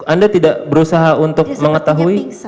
anda tidak berusaha untuk mengetahui